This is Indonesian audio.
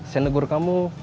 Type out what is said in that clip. saya negur kamu